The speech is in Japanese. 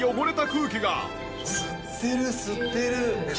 吸ってる吸ってる。